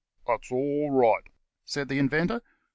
"That's all right," said the Inventor.